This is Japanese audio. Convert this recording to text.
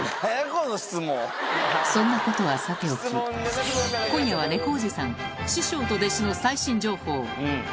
そんなことはさておき、今夜は猫おじさん、師匠と弟子の最新情報。